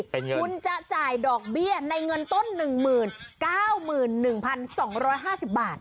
คุณจะจ่ายดอกเบี้ยในเงินต้น๑หมื่น๙๑๒๕๐บาท